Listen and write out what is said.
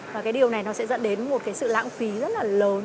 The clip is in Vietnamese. và cái điều này nó sẽ dẫn đến một cái sự lãng phí rất là lớn